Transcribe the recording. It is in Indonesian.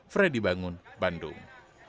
freddy bangun bandung